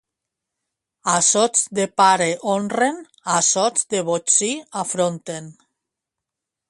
Assots de pare honren, assots de botxí afronten.